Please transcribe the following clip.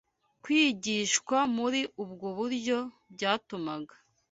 Kwigishwa muri ubwo buryo byatumaga